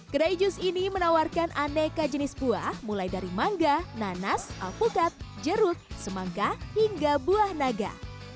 kedai jus ini menawarkan aneka jenis buah mulai dari mangga nanas alpukat jeruk semangka hingga buah naga